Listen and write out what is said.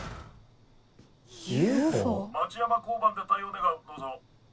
町山交番で対応願うどうぞ。